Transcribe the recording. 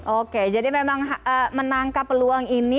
oke jadi memang menangkap peluang ini